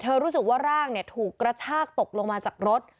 รู้สึกว่าร่างถูกกระชากตกลงมาจากรถ